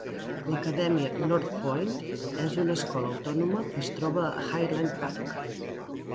L'Acadèmia Northpointe és una escola autònoma que es troba a Highland Park.